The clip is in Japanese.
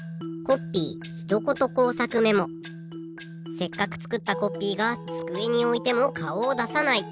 せっかくつくったコッピーがつくえにおいてもかおをださない。